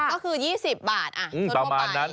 ก็คือ๒๐บาทประมาณนั้น